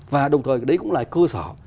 và đồng thời đấy cũng là cơ sở